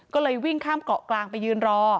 ก็เลยวิ่งข้ามเกาะกลางไปยืนรอ